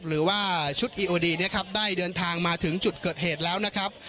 หรือว่าชุดอีโอดีนะครับได้เดินทางมาถึงจุดเกิดเหตุแล้วนะครับ